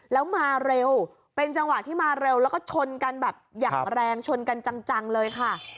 แล้วมาเร็วเป็นจังหวะที่มาเร็วแล้วก็ชนกันแบบอย่างแรงชนกันจังเลยค่ะ